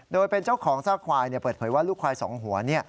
โดยเป็นเจ้าของซากควายเปิดเผยว่าลูกควายสองหัว